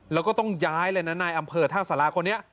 แล้วก็ต้องย้ายเลยนะนายอำเภอท่าสาราคนนี้